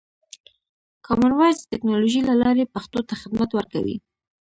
کامن وایس د ټکنالوژۍ له لارې پښتو ته خدمت ورکوي.